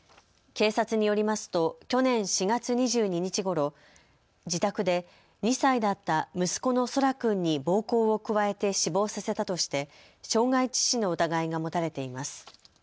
警察によりますと去年４月２２日ごろ、自宅で２歳だった息子の空来君に暴行を加えて死亡させたとして傷害致死の疑いが持たれています。